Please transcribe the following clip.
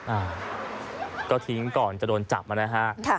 อ่าก็ทิ้งก่อนจะโดนจับมานะฮะ